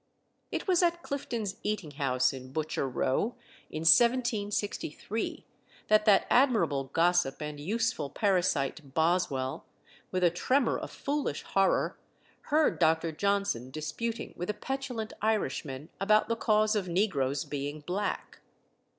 It was at Clifton's Eating house, in Butcher Row, in 1763, that that admirable gossip and useful parasite, Boswell, with a tremor of foolish horror, heard Dr. Johnson disputing with a petulant Irishman about the cause of negroes being black.